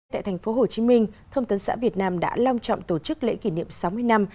tại thành phố hồ chí minh thông tấn xã việt nam đã long trọng tổ chức lễ kỷ niệm sáu mươi năm